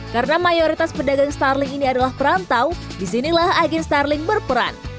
karena mayoritas pedagang starling ini adalah perantau disinilah agen starling berperan